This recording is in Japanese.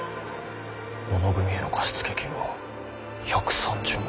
小野組への貸付金は１３０万。